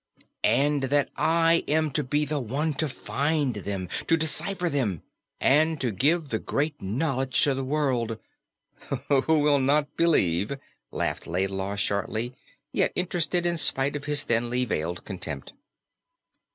"And that I am to be the one to find them, to decipher them, and to give the great knowledge to the world " "Who will not believe," laughed Laidlaw shortly, yet interested in spite of his thinly veiled contempt.